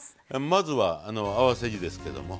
まずは合わせ地ですけども。